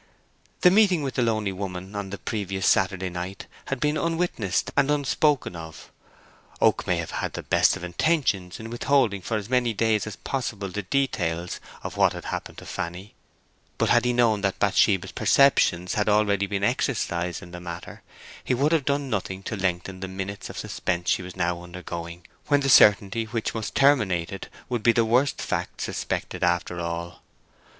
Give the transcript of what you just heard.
The meeting with the lonely woman on the previous Saturday night had been unwitnessed and unspoken of. Oak may have had the best of intentions in withholding for as many days as possible the details of what had happened to Fanny; but had he known that Bathsheba's perceptions had already been exercised in the matter, he would have done nothing to lengthen the minutes of suspense she was now undergoing, when the certainty which must terminate it would be the worst fact suspected after all.